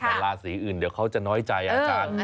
แต่ราศีอื่นเดี๋ยวเขาจะน้อยใจอาจารย์